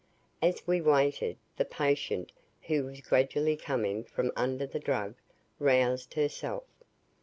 As we waited, the patient, who was gradually coming from under the drug, roused herself.